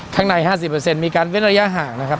ข้างใน๕๐มีการเว้นระยะห่างนะครับ